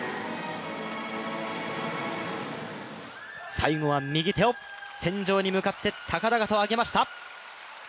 最後は右手を天井に向かって高々と上げました。